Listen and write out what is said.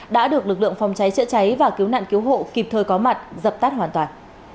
đã được lực lượng phòng cháy chữa cháy và cứu nạn cứu hộ kịp thời có mặt dập tắt hoàn toàn